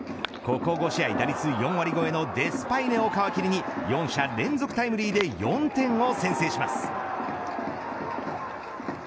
ここ５試合打率４割超えのデスパイネを皮切りに４者連続タイムリーで４点を先制します。